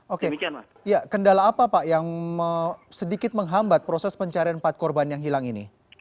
oke ya kendala apa pak yang sedikit menghambat proses pencarian empat korban yang hilang ini